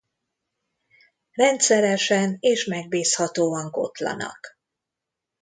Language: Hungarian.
Rendszeresen és megbízhatóan kotlanak.